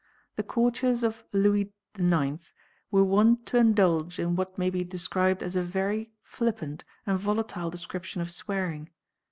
The courtiers of Louis IX. were wont to indulge in what may be described as a very flippant and volatile description of swearing.